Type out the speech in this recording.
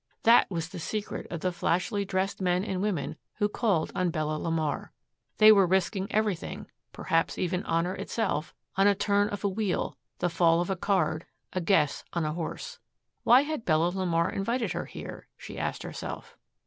That was the secret of the flashily dressed men and women who called on Bella LeMar. They were risking everything, perhaps even honor itself, on a turn of a wheel, the fall of a card, a guess on a horse. Why had Bella LeMar invited her here? she asked herself.